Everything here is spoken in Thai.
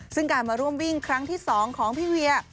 ซึ่งการมาร่วมวิ่งครั้งที่๒ของพี่เวีย